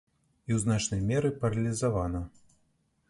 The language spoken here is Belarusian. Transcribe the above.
І ў значнай меры паралізавана.